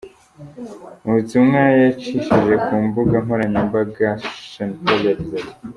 Mu butumwa yicishije ku mbuga nkoranyambaga, Sean Paul yagize ati:.